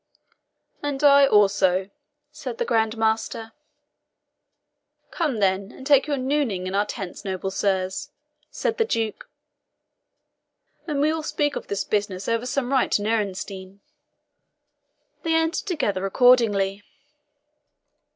"And I also," said the Grand Master. "Come, then, and take your nooning in our tent, noble sirs," said the Duke, "and we'll speak of this business over some right NIERENSTEIN." They entered together accordingly.